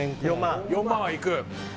４万はいく？